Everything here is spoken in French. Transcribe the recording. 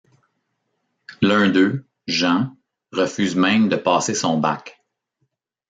L'un deux, Jean, refuse même de passer son bac.